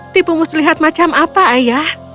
tipu muslihat macam apa ayah